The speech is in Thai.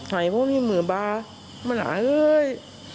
หายพวกนี้เหมือนบ้ามาหลานเลย